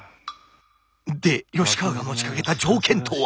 で吉川が持ちかけた条件とは？